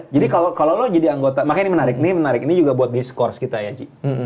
jadi kalau lu jadi anggota makanya ini menarik ini juga buat discourse kita ya g